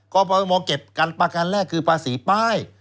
กรปมเก็บกันประกันแรกคือภาษีป้าย